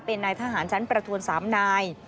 เป็นนายทหารชั้นประทวน๓นาย